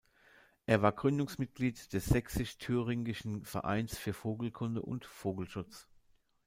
Er war Gründungsmitglied des "Sächsisch-Thüringischen Vereins für Vogelkunde und Vogelschutz".